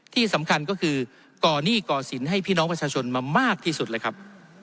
ที่สำคัญก็คือก่อหนี้ก่อสินให้พี่น้องประชาชนมามากที่สุดเลยครับ